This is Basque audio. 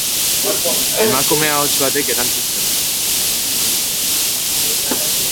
Emakume ahots batek erantzun zuen.